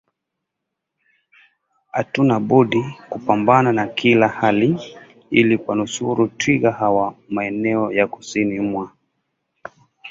hatuna budi kupambana na kila hali ili kuwanusuru twiga hawa Maeneo ya kusini mwa